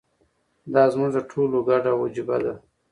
دا زموږ د ټولو ګډه وجیبه ده.